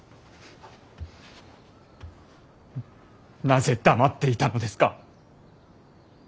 なぜ黙っていたのですか。